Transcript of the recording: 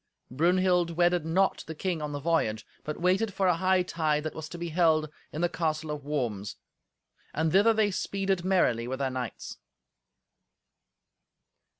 Brunhild wedded not the king on the voyage, but waited for a hightide that was to be held in the castle of Worms; and thither they speeded merrily with their knights.